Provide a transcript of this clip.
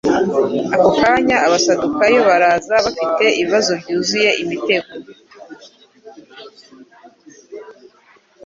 ako kanya abasadukayo baraza, bafite ibibazo byuzuye imitego.